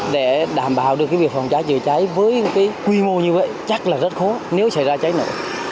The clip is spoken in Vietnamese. để đảm bảo được việc phòng trái chữa trái với quy mô như vậy chắc là rất khó nếu xảy ra trái nổ